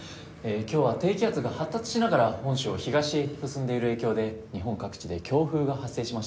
今日は低気圧が発達しながら本州を東へ進んでいる影響で日本各地で強風が発生しました。